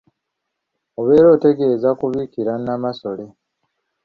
Obeera otegeeza kubikira Nnamasole.